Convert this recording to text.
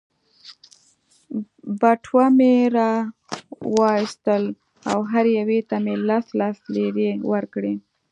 بټوه مې را وایستل او هرې یوې ته مې لس لس لیرې ورکړې.